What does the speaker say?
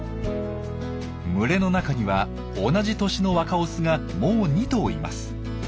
群れの中には同じ年の若オスがもう２頭います。